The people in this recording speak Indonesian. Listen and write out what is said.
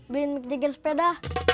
biarin mick jagger sepeda